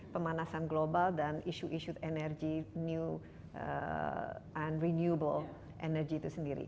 pemanasan global dan isu isu energi new und renewable energy itu sendiri